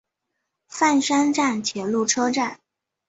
饭山站铁路车站。